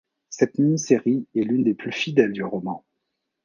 Cette mini série est l'une des plus fidèles du roman.